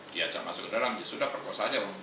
diajak masuk ke dalam dia sudah perkosa saja